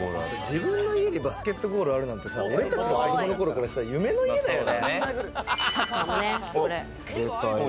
自分の家にバスケットゴールあるなんて、俺たちの子どものころからしたら夢の家だよね。